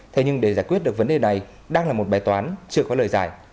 thế nhưng để giải quyết được vấn đề này đang là một bài toán chưa có lời giải